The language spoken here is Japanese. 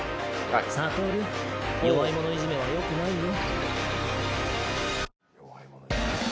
悟弱い者いじめはよくないよ。